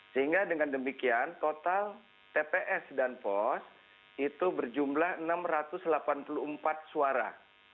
sehingga dengan demikian total tps dan pos itu berjumlah enam ratus delapan puluh empat suara